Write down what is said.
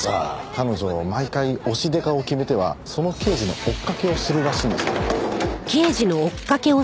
彼女毎回推しデカを決めてはその刑事の追っかけをするらしいんですよ。